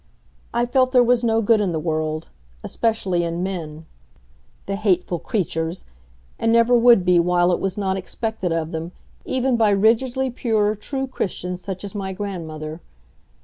I felt there was no good in the world, especially in men the hateful creatures! and never would be while it was not expected of them, even by rigidly pure, true Christians such as my grandmother.